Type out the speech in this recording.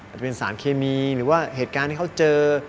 จะเป็นสารเคมีหรือว่าเหตุการณ์ที่เขาเจอ